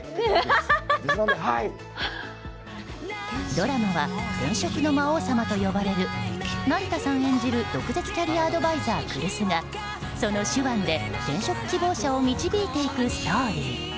ドラマは転職の魔王様と呼ばれる成田さん演じる毒舌キャリアアドバイザー来栖がその手腕で、転職希望者を導いていくストーリー。